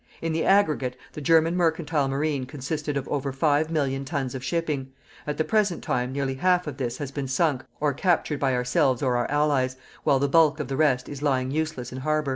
In the aggregate the German Mercantile Marine consisted of over 5 million tons of shipping; at the present time nearly half of this has been sunk or captured by ourselves or our Allies, while the bulk of the rest is lying useless in harbour.